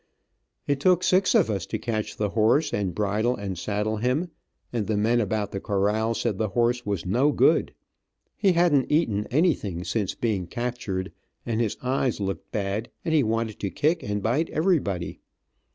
It took six of us to catch the horse, and bridle and saddle him, and the men about the corral said the horse was no good. He hadn't eaten anything since being captured, and his eyes looked bad, and he wanted to kick and bite everybody.